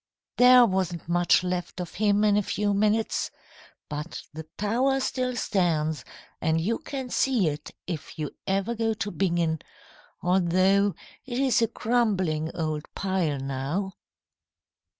"There wasn't much left of him in a few minutes. But the tower still stands, and you can see it if you ever go to Bingen, although it is a crumbling old pile now."